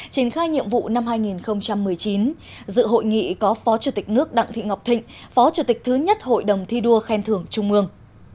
triển khai nhiệm vụ năm hai nghìn một mươi chín dự hội nghị có phó chủ tịch nước đặng thị ngọc thịnh phó chủ tịch thứ nhất hội đồng thi đua khen thưởng trung ương